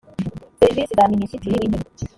serivisi za minisitiri w intebe